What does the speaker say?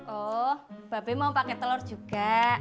oh babi mau pake telur juga